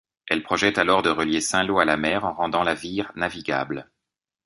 Elle projette alors de relier Saint-Lô à la mer en rendant la Vire navigable.